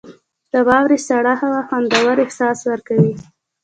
• د واورې سړه هوا خوندور احساس ورکوي.